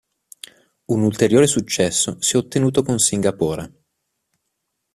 Un ulteriore successo si è ottenuto con Singapore.